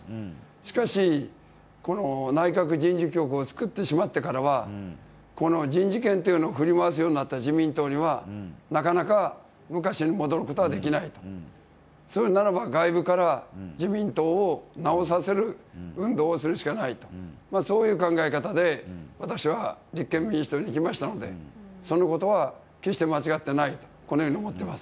しかし内閣人事局を作ってしまってからは人事権を振り回すようになった自民党にはなかなか昔に戻ることはできないと、それならば外部から、自民党を直させる運動をするしかないとそういう考え方で私は立憲民主党に行きましたのでそのことは決して間違っていないと思っています。